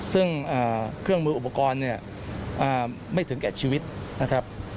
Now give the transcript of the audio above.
ซึ่งเครื่องมืออุปกรณ์เนี่ยไม่ถึงแก่ชีวิตนะครับ